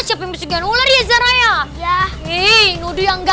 siapin segala riazah raya ya hei nuduh yang